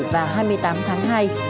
hai mươi bảy và hai mươi tám tháng hai